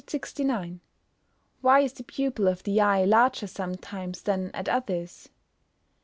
] 969. _Why is the pupil of the eye larger sometimes than at others?